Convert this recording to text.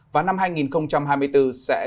và năm hai nghìn hai mươi bốn sẽ